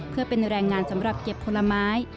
เพื่อเป็นแรงงานสำหรับเก็บผลไม้